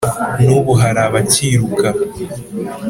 n'ubu hari abakiruka